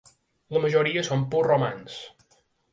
La majoria són pur romanç.